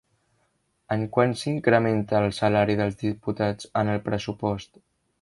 En quant s'incrementa el salari dels diputats en el pressupost?